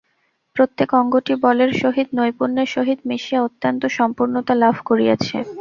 প্রত্যেক অঙ্গটি বলের সহিত নৈপুণ্যের সহিত মিশিয়া অত্যন্ত সম্পূর্ণতা লাভ করিয়াছে।